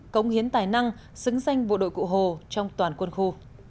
công hiến tài năng xứng danh bộ đội cụ hồ trong toàn quân khu